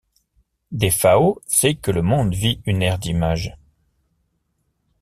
Defao sait que le monde vit une ère d'image.